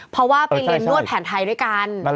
เพราะว่าไปเรียนนวดแผนไทยด้วยกัน